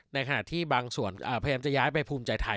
ในขณะที่บางส่วนพยายามจะย้ายไปภูมิใจไทย